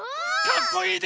かっこいい！